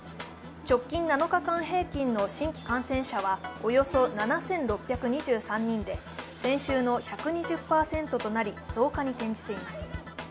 直近７日間平均の新規感染者はおよそ７６２３人で先週の１２０％となり、増加に転じています。